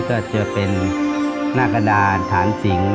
ก็จะเป็นนักฎาลฐานสิง